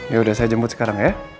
yaudah saya jemput sekarang ya